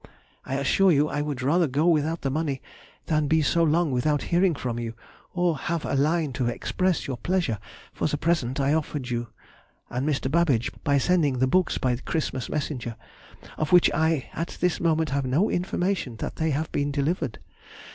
I assure you I would rather go without the money than be so long without hearing from you, or have a line to express your pleasure for the present I offered you and Mr. Babbage by sending the books by the Christmas messenger, of which I, at this moment, have no information that they have been delivered.